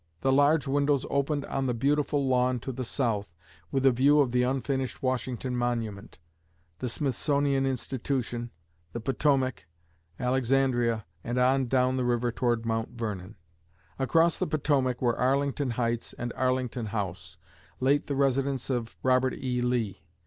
The large windows opened on the beautiful lawn to the south, with a view of the unfinished Washington Monument, the Smithsonian Institution, the Potomac, Alexandria, and on down the river toward Mt. Vernon. Across the Potomac were Arlington Heights and Arlington House, late the residence of Robert E. Lee.